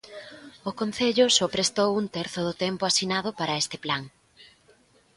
O concello só prestou un terzo do tempo asinado para este plan.